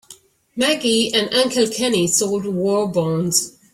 Maggie and Uncle Kenny sold war bonds.